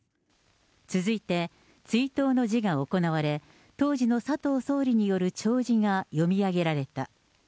続いて、追悼の辞が行われ、当時の佐藤総理による弔辞が読み上げられた。